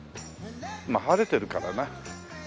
まあ晴れてるからな。